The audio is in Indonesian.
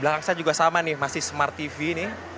belakang saya juga sama nih masih smart tv ini